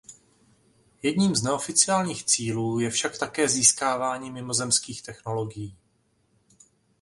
Jedním z neoficiálních cílů je však také získávání mimozemských technologií.